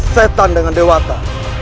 setan dengan dewata